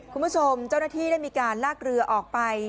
คุณผู้ชมเจ้าหน้าที่ได้มีการลากเรือออกไป